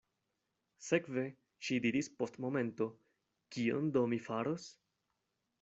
Sekve, ŝi diris post momento, kion do mi faros?